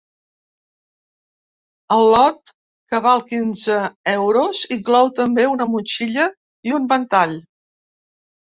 El lot, que val quinze euros, inclou també una motxilla i un ventall.